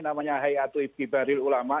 namanya hayatul ibn baril ulama